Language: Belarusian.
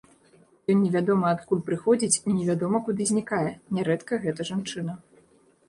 Ён невядома адкуль прыходзіць і невядома куды знікае, нярэдка гэта жанчына.